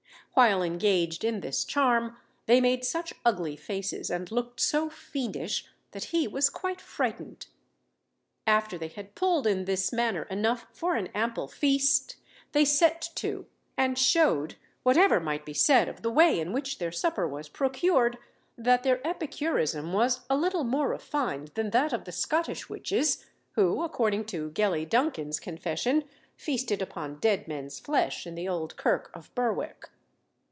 While engaged in this charm, they made such ugly faces, and looked so fiendish, that he was quite frightened. After they had pulled in this manner enough for an ample feast, they set to, and shewed, whatever might be said of the way in which their supper was procured, that their epicurism was a little more refined than that of the Scottish witches, who, according to Gellie Duncan's confession, feasted upon dead men's flesh in the old kirk of Berwick.